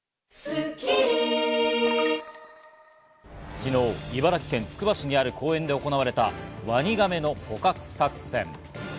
昨日、茨城県つくば市にある公園で行われたワニガメの捕獲作戦。